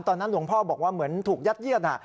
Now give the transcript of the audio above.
หลวงพ่อบอกว่าเหมือนถูกยัดเยียด